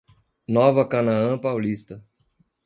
Nova Canaã Paulista